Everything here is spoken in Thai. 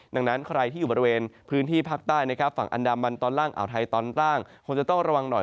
ดังนั้นใครที่อยู่บริเวณพื้นที่ภาคใต้นะครับฝั่งอันดามันตอนล่างอ่าวไทยตอนล่างคงจะต้องระวังหน่อย